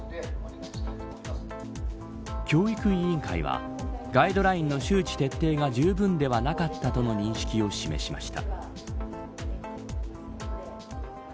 教育委員会はガイドラインの周知徹底がじゅうぶんではなかったとの認識を示しました。